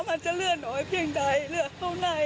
แล้วมันจะเลือกน้อยเพียงใดเลือกเข้าใน